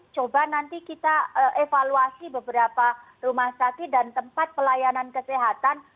coba nanti kita evaluasi beberapa rumah sakit dan tempat pelayanan kesehatan